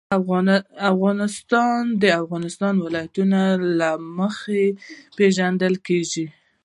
افغانستان د د افغانستان ولايتونه له مخې پېژندل کېږي.